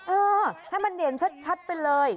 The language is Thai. เออให้มันเห็นชัดไปเลย